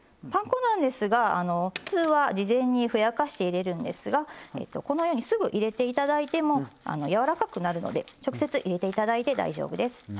パン粉なんですが普通は事前にふやかして入れるんですがこのようにすぐ入れていただいてもやわらかくなるので直接入れていただいて大丈夫です。